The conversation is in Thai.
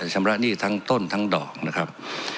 ชำระหนี้ทั้งต้นทั้งดอกนะครับ